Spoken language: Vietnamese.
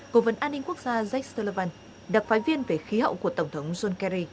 cổ vấn an ninh quốc gia jake sullivan đặc phái viên về khí hậu của tổng thống john kerry